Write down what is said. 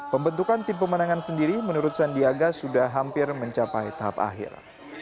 pembentukan tim pemenangan sendiri menurut sandiaga sudah hampir mencapai tahap akhir